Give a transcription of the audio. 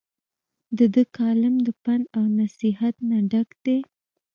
د دۀ کالم د پند او نصيحت نه ډک دے ۔